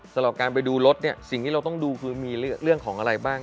สำหรับการไปดูรถเนี่ยสิ่งที่เราต้องดูคือมีเรื่องของอะไรบ้าง